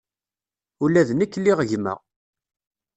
Ula d nekk liɣ gma.